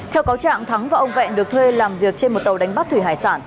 theo cáo trạng thắng và ông vẹn được thuê làm việc trên một tàu đánh bắt thủy hải sản